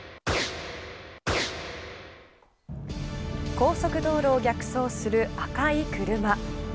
高速道路を逆走する赤い車。